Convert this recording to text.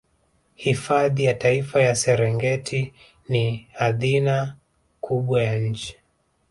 hifadhi ya taifa ya serengeti ni hadhina kubwa ya nchi